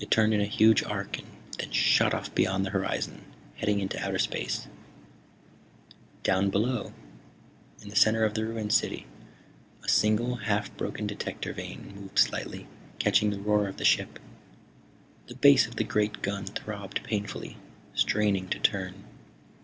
It turned in a huge arc and then shot off beyond the horizon, heading into outer space. Down below, in the center of the ruined city, a single half broken detector vane moved slightly, catching the roar of the ship. The base of the great gun throbbed painfully, straining to turn.